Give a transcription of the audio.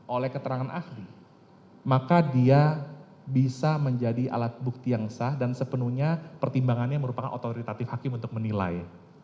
oleh keterangan ahli maka dia bisa menjadi alat bukti yang sah dan sepenuhnya pertimbangannya merupakan otoritatif hakim untuk menilai